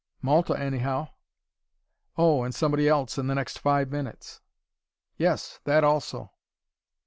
"Malta, anyhow." "Oh, and somebody else in the next five minutes." "Yes that also."